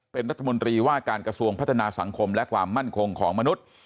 เป็นรัฐมนตรีว่าการกระทรวงพัฒนาสังคมและความมั่นคงของมนุษย์